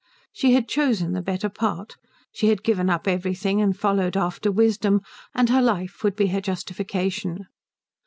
She had chosen the better part; she had given up everything and followed after wisdom; and her life would be her justification.